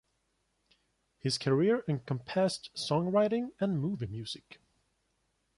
His career encompassed songwriting and movie music.